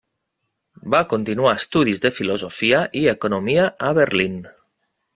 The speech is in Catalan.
Va continuar estudis de filosofia i economia a Berlín.